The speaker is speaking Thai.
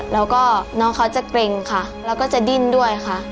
แล้วก็น้องเขาจะเกร็งค่ะแล้วก็จะดิ้นด้วยค่ะ